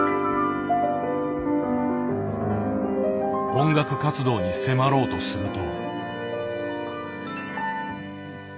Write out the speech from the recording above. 音楽活動に迫ろうとすると。